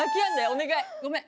お願いごめん。